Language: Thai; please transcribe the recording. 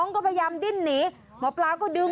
ก็เลยจับมือน้องดู